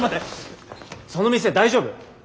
その店大丈夫？